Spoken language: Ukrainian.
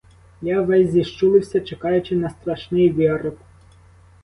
Я весь зіщулився, чекаючи на страшний вирок.